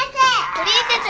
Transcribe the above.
プリンセス！